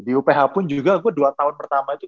di uph pun juga gue dua tahun pertama itu